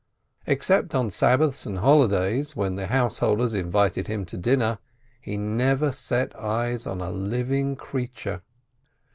Except on Sabbaths and holidays, when the householders invited him to dinner, he never set eyes on a living creature.